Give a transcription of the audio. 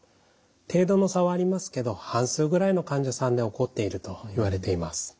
程度の差はありますけど半数ぐらいの患者さんで起こっているといわれています。